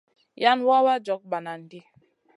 Yan wawa jog bananʼ ɗi.